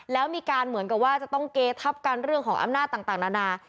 แล้วมีการเหมือนกับว่าจะต้องเกทับกันเรื่องของอำนาจต่างนานา